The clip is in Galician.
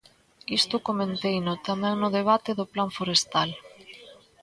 Isto comenteino tamén no debate do plan forestal.